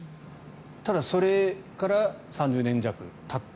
ただ、それから３０年弱たって